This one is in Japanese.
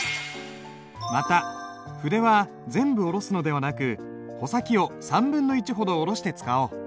また筆は全部下ろすのではなく穂先を３分の１ほど下ろして使おう。